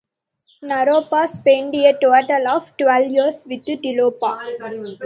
Naropa spent a total of twelve years with Tilopa.